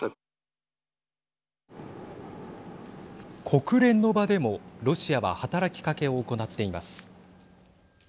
国連の場でもロシアは働きかけを行っています。